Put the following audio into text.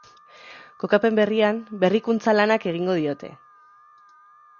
Kokapen berrian berrikuntza lanak egingo diote.